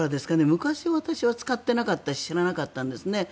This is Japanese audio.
昔は使ってなかったし知らなかったんですね。